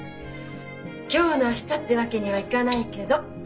今日の明日ってわけにはいかないけど。